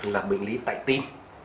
là bệnh lý tại tim